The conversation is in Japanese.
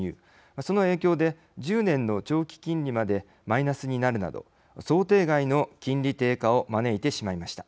その影響で１０年の長期金利までマイナスになるなど想定外の金利低下を招いてしまいました。